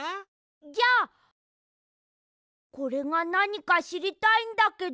じゃこれがなにかしりたいんだけど。